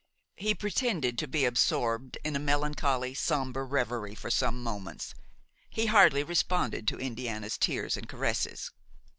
He pretended to be absorbed in a melancholy, sombre reverie for some moments; he hardly responded to Indiana's tears and caresses.